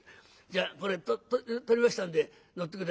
じゃあこれ取りましたんで乗って下さい」。